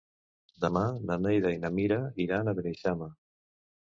Demà na Neida i na Mira iran a Beneixama.